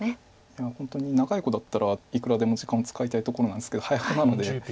いや本当に長い碁だったらいくらでも時間を使いたいとこなんですけど早碁なので。